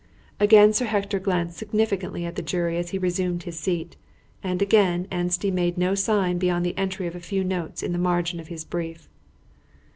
Again Sir Hector glanced significantly at the jury as he resumed his seat, and again Anstey made no sign beyond the entry of a few notes on the margin of his brief.